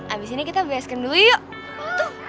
abis ini kita biasakan dulu yuk